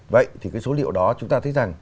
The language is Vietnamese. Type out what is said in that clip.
vậy thì cái số liệu đó chúng ta thấy rằng